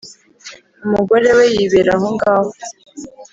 Umugore we yibera ahongaho,